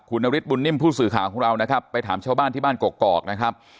คุณนฤทธบุญนิ่มผู้สื่อข่าวของเรานะครับไปถามชาวบ้านที่บ้านกอกนะครับ